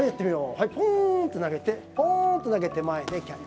はいポンって投げてポンと投げて前でキャッチ。